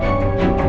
bi ambilin itu dong